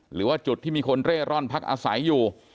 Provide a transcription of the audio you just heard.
หรือว่าจุดที่มีคนเร่ร่อนพักอาศัยอยู่